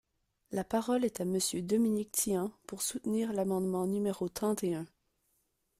La parole est à Monsieur Dominique Tian, pour soutenir l’amendement numéro trente et un.